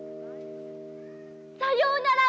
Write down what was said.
さようなら